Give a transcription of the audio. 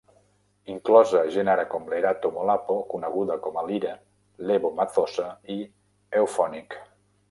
Inclosa gent com ara Lerato Molapo, coneguda com a Lira, Lebo Mathosa i Euphonik.